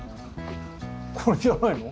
これじゃないの？